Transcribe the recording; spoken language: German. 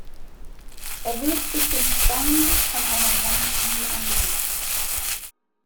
Er wirft sich den Stein von einer Hand in die andere.